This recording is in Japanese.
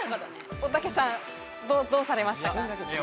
おたけさんどうされました？